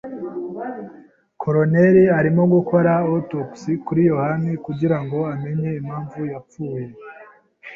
Coroner arimo gukora autopsie kuri yohani kugirango amenye impamvu yapfuye.